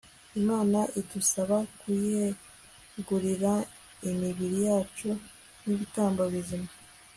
imana idusaba kuyegurira imibiri yacu nk'ibitambo bizima